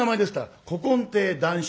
「古今亭談志」。